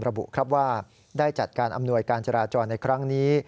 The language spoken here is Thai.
ระบุครับว่าได้จัดการอำนวยการจราจรในครั้งนี้